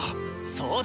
そうだ！